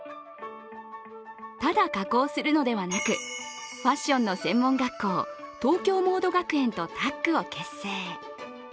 ただ加工するのではなくファッションの専門学校東京モード学園とタッグを結成。